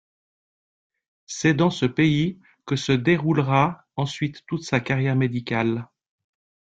C'est dans ce pays que se déroulera ensuite toute sa carrière médicale.